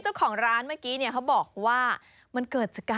แล้วก็เป็นรูปไม่ใกล้เหนิดแล้วก็เป็นรูปบอกรักด้วยนะคะ